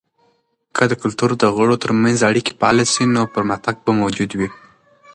که د کلتور د غړو ترمنځ اړیکې فعاله سي، نو پرمختګ به موجود وي.